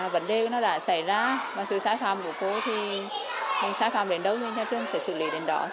vấn đề nó đã xảy ra và sự xã phạm của cô thì xã phạm đến đâu thì nhà trường sẽ xử lý đến đó